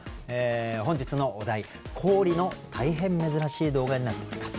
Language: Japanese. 本日のお題「氷」の大変珍しい動画になっております。